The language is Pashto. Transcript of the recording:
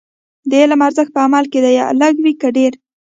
د علم ارزښت په عمل کې دی، لږ وي او که ډېر.